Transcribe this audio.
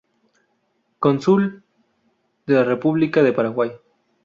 Cónsul de la República del Paraguay.